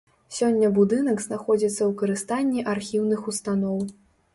Сёння будынак знаходзіцца ў карыстанні архіўных устаноў.